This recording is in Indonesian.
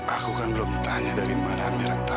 aku kan belum tanya dari mana amira tahu